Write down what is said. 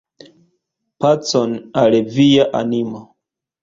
Pacon al via animo!